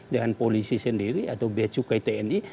jangan polisi sendiri atau becukai tni